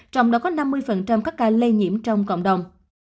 trong đó có năm mươi các ca lây nhiễm trong cộng đồng